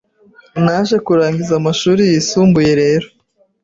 Naje kurangiza amashuri yisumbuye rero